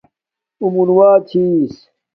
اُݸ مُنُوݳ چھݵس.